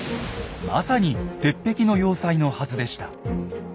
まさに鉄壁の要塞のはずでした。